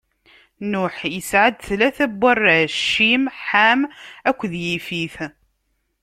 Nuḥ isɛa-d tlata n warrac: Cim, Ḥam akked Yifit.